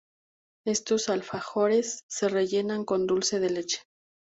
Estos alfajores se rellenan con dulce de leche.